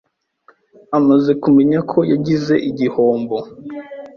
amaze kumenya ko yagize igihombo